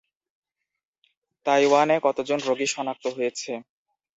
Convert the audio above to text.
তাইওয়ানে কতজন রোগী শনাক্ত হয়েছে?